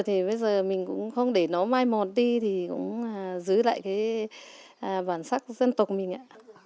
thì bây giờ mình cũng không để nó mai mòn đi thì cũng giữ lại cái bản sắc dân tộc mình ạ